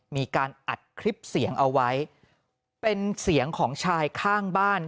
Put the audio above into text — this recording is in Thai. มีการอัดคลิปเสียงเอาไว้เป็นเสียงของชายข้างบ้าน